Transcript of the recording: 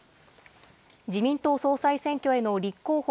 自民党総裁選挙への立候補